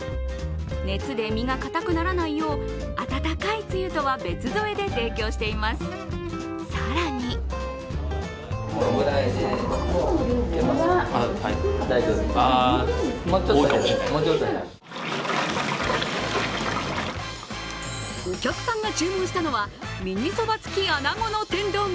熱で身が固くならないよう温かいつゆとは別添えで提供しています、更にお客さんが注文したのはミニ蕎麦付き穴子の天丼。